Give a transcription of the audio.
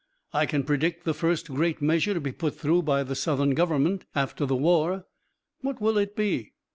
"I can predict the first great measure to be put through by the Southern Government after the war." "What will it be?"